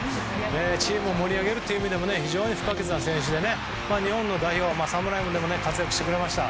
チームを盛り上げるという意味でも非常に不可欠な選手で日本代表、侍ジャパンでも活躍してくれました。